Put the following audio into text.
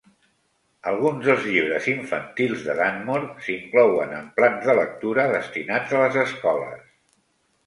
Alguns dels llibres infantils de Dunmore s'inclouen en plans de lectura destinats a les escoles.